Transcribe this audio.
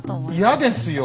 嫌ですよ！